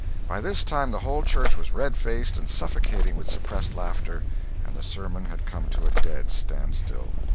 By this time the whole church was red faced and suffocating with suppressed laughter, and the sermon had come to a dead standstill.